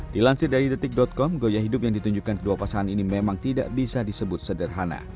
dilansir dari detik com gaya hidup yang ditunjukkan kedua pasangan ini memang tidak bisa disebut sederhana